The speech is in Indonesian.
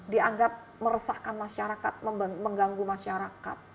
dianggap meresahkan masyarakat mengganggu masyarakat